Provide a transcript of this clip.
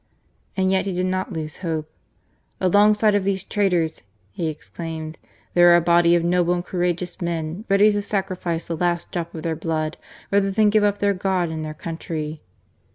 And yet he did not lose hope. " Alongside of these traitors," he exclaimed, there are a body of noble and courageous men ready to sacrifice the last drop of their blood rather than give up their God and their country."